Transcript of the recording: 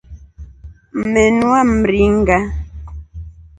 Mmenua mringa.